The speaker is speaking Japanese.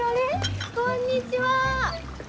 こんにちは！